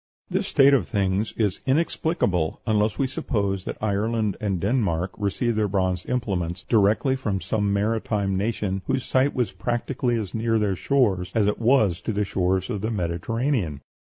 This state of things is inexplicable unless we suppose that Ireland and Denmark received their bronze implements directly from some maritime nation whose site was practically as near their shores as it was to the shores of the Mediterranean.